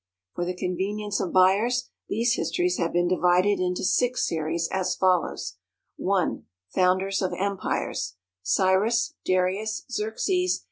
For the convenience of buyers, these Histories have been divided into Six Series, as follows: I. Founders of Empires. CYRUS. DARIUS. XERXES.